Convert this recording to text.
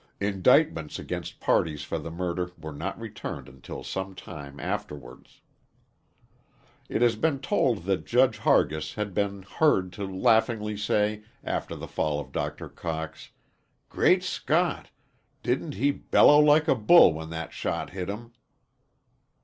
Indictments against parties for the murder were not returned until some time afterwards. It has been told that Judge Hargis had been heard to laughingly say, after the fall of Dr. Cox, "Great Scot! didn't he bellow like a bull when that shot hit him?"